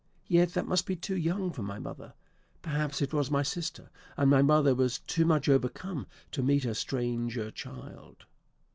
Yet that must be too young for my mother; perhaps it was my sister; and my mother was too much overcome to meet her stranger child.